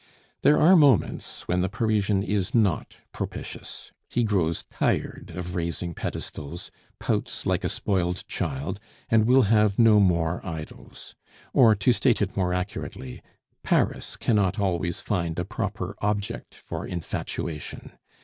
There are moments when the Parisian is not propitious. He grows tired of raising pedestals, pouts like a spoiled child, and will have no more idols; or, to state it more accurately, Paris cannot always find a proper object for infatuation.